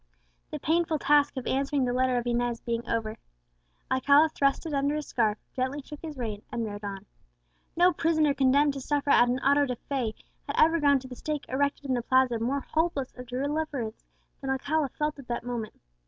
The painful task of answering the letter of Inez being over, Alcala thrust it under his scarf, gently shook his rein, and rode on. No prisoner condemned to suffer at an auto da fé had ever gone to the stake erected in the Plaza more hopeless of deliverance than Alcala felt at that moment.